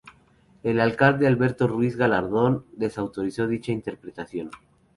El alcalde, Alberto Ruiz-Gallardón, desautorizó dicha interpretación.